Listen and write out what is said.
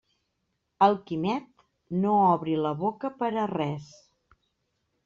El Quimet no obri la boca per a res.